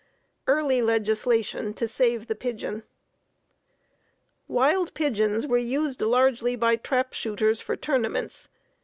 EARLY LEGISLATION TO SAVE THE PIGEON Wild pigeons were used largely by trap shooters for tournaments.